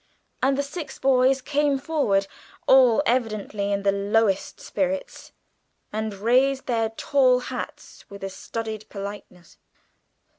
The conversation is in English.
And the six boys came forward, all evidently in the lowest spirits, and raised their tall hats with a studied politeness.